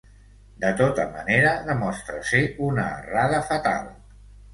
De tota manera, demostra ser una errada fatal.